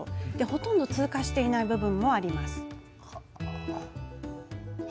ほとんど通過していない部分もあります。